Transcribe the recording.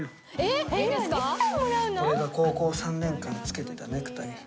俺が高校３年間つけてたネクタイ。